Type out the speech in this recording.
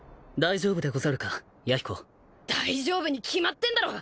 大丈夫に決まってんだろ。